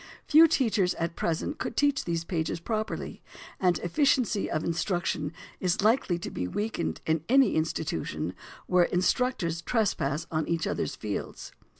Few teachers at present could teach these pages properly; and efficiency of instruction is likely to be weakened in any institution where instructors trespass on each others' fields.